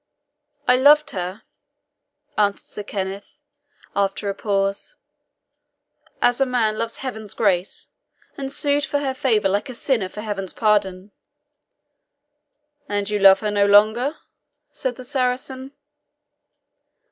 "I LOVED her," answered Sir Kenneth, after a pause, "as a man loves Heaven's grace, and sued for her favour like a sinner for Heaven's pardon." "And you love her no longer?" said the Saracen.